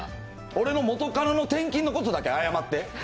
俺の元カノの転勤のことだけ謝って。